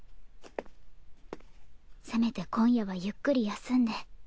せめて今夜はゆっくり休んで。